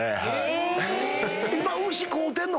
今牛飼うてんの？